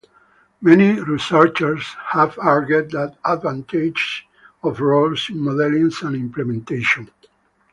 Many researchers have argued the advantages of roles in modeling and implementation.